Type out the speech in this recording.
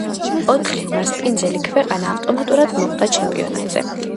ოთხი მასპინძელი ქვეყანა ავტომატურად მოხვდა ჩემპიონატზე.